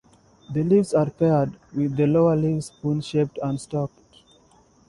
The leaves are paired, with the lower leaves spoon-shaped and stalked.